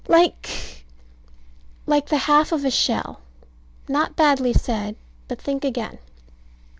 Like like the half of a shell. Not badly said, but think again.